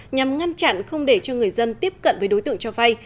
nhằm ngăn chặn không để cho người dân tiếp cận với đối tượng cho vay